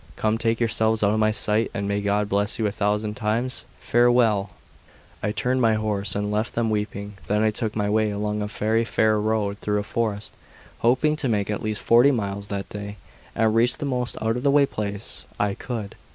Come, take yourselves out of my sight, and may God bless you a thousand times. Farewell!" I turned my horse and left them weeping. Then I took my way along a very fair road through a forest, hoping to make at least forty miles that day, and reach the most out of the way place I could.